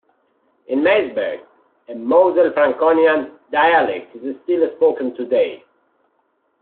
In Meisburg, a Moselle Franconian dialect is still spoken today.